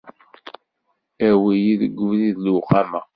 Awi-yi deg ubrid n lewqama.